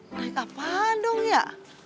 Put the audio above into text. naik apaan dong ya